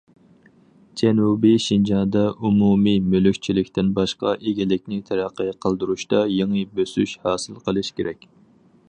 جەنۇبىي شىنجاڭدا ئومۇمىي مۈلۈكچىلىكتىن باشقا ئىگىلىكنى تەرەققىي قىلدۇرۇشتا يېڭى بۆسۈش ھاسىل قىلىش كېرەك.